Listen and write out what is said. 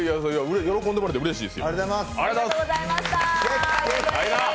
喜んでもらえてうれしいです。